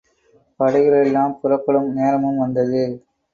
படைகளெல்லாம் புறப்படும் நேரமும் வந்தது.